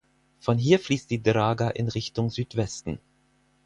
Von hier fließt die Draga in Richtung Südwesten.